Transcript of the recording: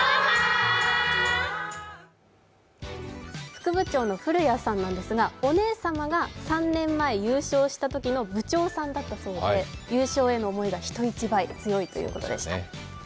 副部長のフルヤさんなんですがお姉様が３年前優勝したときの部長さんだったそうで、優勝への思いが人一倍強いということでした。